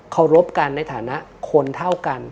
เขารบกันในฐานะคนเท่ากัน